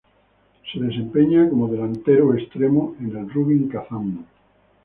Se desempeña como delantero o extremo en el Rubin Kazán.